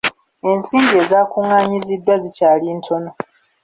Ensimbi ezaakunganyiziddwa zikyali ntono.